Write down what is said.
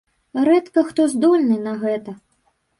Рэдка хто здольны на гэта.